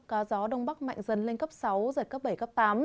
có gió đông bắc mạnh dần lên cấp sáu giật cấp bảy cấp tám